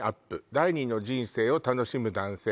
第２の人生を楽しむ男性」